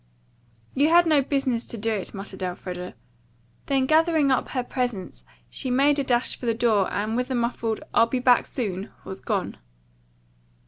"You had no business to do it," muttered Elfreda. Then gathering up her presents she made a dash for the door and with a muffled, "I'll be back soon," was gone.